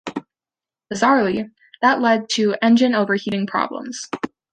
Bizarrely, that led to engine overheating problems.